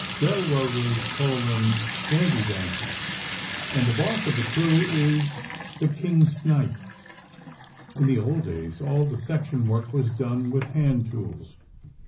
Railroaders call them gandy dancers, and the boss of the crew is the king snipe. In the old days, all the section work was done with hand tools.